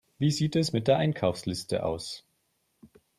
Wie sieht es mit der Einkaufsliste aus?